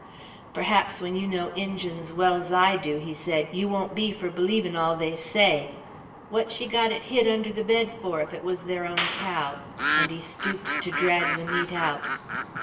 "Perhaps, when you know Injun's well's I do," he said, "you won't be for believin' all they say! What's she got it hid under the bed for, if it was their own cow?" and he stooped to drag the meat out.